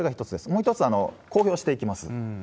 もう１つ、公表していきます